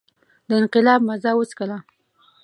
د انقلاب مزه وڅکله.